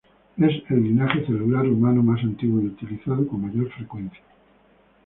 Es el linaje celular humano más antiguo y utilizado con mayor frecuencia.